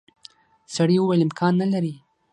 سړي وویل امکان نه لري.